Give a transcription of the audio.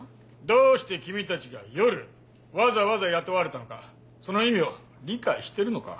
どうして君たちが夜わざわざ雇われたのかその意味を理解してるのか？